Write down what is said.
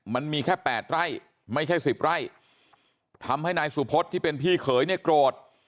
มันมีแค่๘ไร่ไม่ใช่๑๐ไร่ทำให้นายสุพศที่เป็นพี่เขยเนี่ยโกรธ